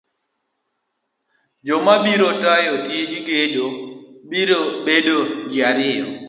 Joma biro tayo tij gedo biro bedo ji ariyo.